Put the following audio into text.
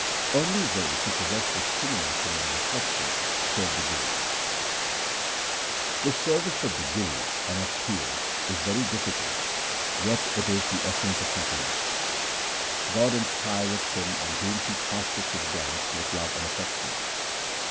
Only those who possess discrimination and reflec tion serve the Guru :— The service of the Guru and of Pirs 1 is very difficult, yet in it is the essence of happiness. God inspireth him on whom He casteth His glance with love and affection.